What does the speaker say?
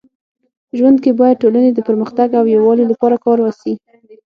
ژوند کي باید ټولني د پرمختګ او يووالي لپاره کار وسي.